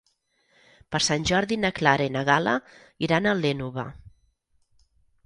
Per Sant Jordi na Clara i na Gal·la iran a l'Énova.